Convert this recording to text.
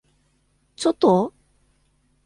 ちょっと？